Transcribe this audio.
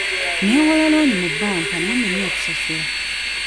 Neewola looni mu banka naye ennemye okusasula.